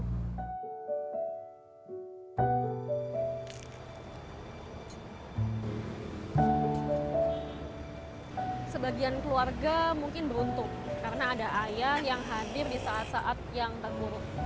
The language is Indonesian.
sebagian keluarga mungkin beruntung karena ada ayah yang hadir di saat saat yang terburuk